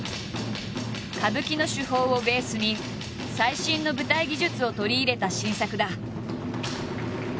歌舞伎の手法をベースに最新の舞台技術を取り入れた新作だ。